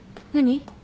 何？